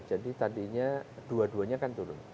jadi tadinya dua duanya kan turun